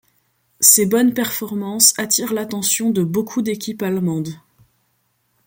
Ses bonnes performances attirent l'attention de beaucoup d'équipes allemandes.